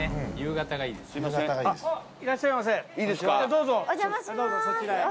どうぞそちらへ。